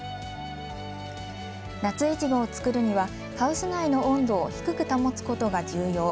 夏いちごを作るには、ハウス内の温度を低く保つことが重要。